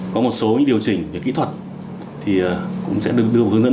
có một số điều chỉnh về kỹ thuật thì cũng sẽ được đưa vào hướng dẫn